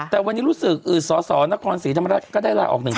แต่วันนี้รู้สึกสสนครศรีธรรมราชก็ได้ลาออกหนึ่งคน